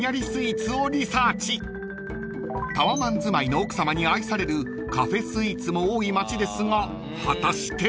［タワマン住まいの奥さまに愛されるカフェスイーツも多い街ですが果たして］